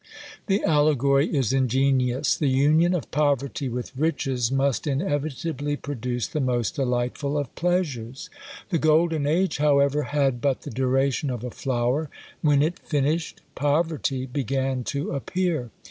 The allegory is ingenious. The union of poverty with riches must inevitably produce the most delightful of pleasures. The golden age, however, had but the duration of a flower; when it finished, Poverty began to appear.